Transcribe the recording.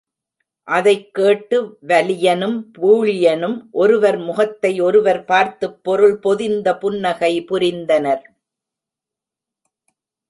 அதைக் கேட்டு வலியனும் பூழியனும் ஒருவர் முகத்தை ஒருவர் பார்த்துப் பொருள் பொதிந்த புன்னகை புரிந்தனர்.